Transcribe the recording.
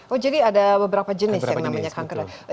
oh jadi ada beberapa jenis yang namanya kanker